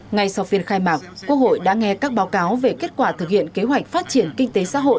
ngay sau phiên khai mạc quốc hội đã nghe các báo cáo về kết quả thực hiện kế hoạch phát triển kinh tế xã hội